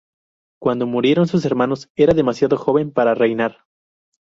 Cuando murieron sus hermanos era demasiado joven para reinar.